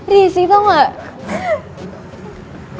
risih tau gak